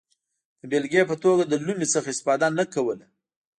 د بېلګې په توګه له لومې څخه استفاده نه کوله.